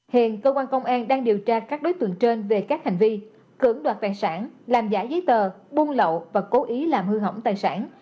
hiện cơ quan công an đang điều tra các đối tượng trên về các hành vi cưỡng đoạt tài sản làm giả giấy tờ buôn lậu và cố ý làm hư hỏng tài sản